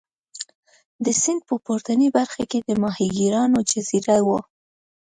د سیند په پورتنۍ برخه کې د ماهیګیرانو جزیره وه.